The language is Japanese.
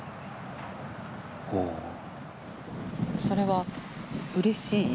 それはうれしい？